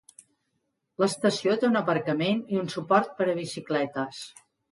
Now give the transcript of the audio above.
L'estació té un aparcament i un suport per a bicicletes.